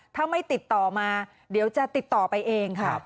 ถ้าไม่ติดต่อมาเดี๋ยวจะติดต่อไปเองค่ะ